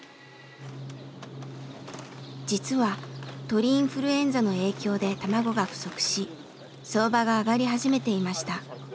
実は鳥インフルエンザの影響で卵が不足し相場が上がり始めていました。